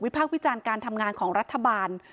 ภาควิจารณ์การทำงานของรัฐบาล